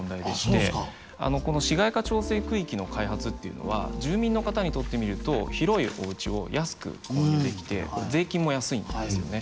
この市街化調整区域の開発っていうのは住民の方にとってみると広いおうちを安く購入できて税金も安いんですよね。